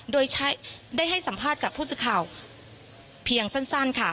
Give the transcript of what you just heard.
โดยได้ให้สัมภาษณ์กับผู้สื่อข่าวเพียงสั้นค่ะ